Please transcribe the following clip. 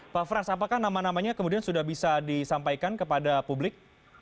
pak frans apakah nama namanya kemudian sudah bisa disampaikan kepada publik